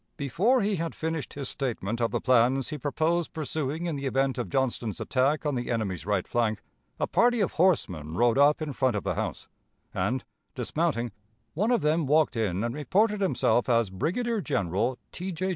Before he had finished his statement of the plans he proposed pursuing in the event of Johnston's attack on the enemy's right flank, a party of horsemen rode up in front of the house, and, dismounting, one of them walked in and reported himself as Brigadier General T. J.